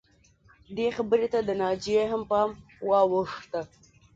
دې خبرې ته د ناجیې هم پام واوښته